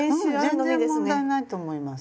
全然問題ないと思います。